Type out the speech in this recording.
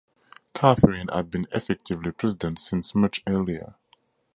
Catherine had been effectively President since much earlier.